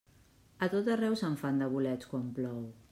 A tot arreu se'n fan, de bolets, quan plou.